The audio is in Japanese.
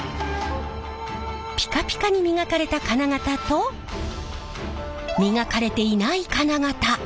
ピカピカに磨かれた金型と磨かれていない金型。